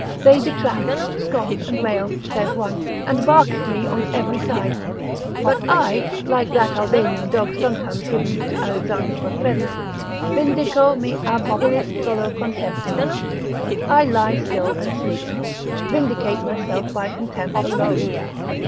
They detract, scoff and rail, saith one, and bark at me on every side, but I, like that Albanian dog sometimes given to Alexander for a present, vindico me ab illis solo contemptu, I lie still and sleep, vindicate myself by contempt alone.